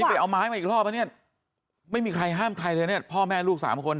ไปเอาไม้มาอีกรอบปะเนี่ยไม่มีใครห้ามใครเลยเนี่ยพ่อแม่ลูกสามคน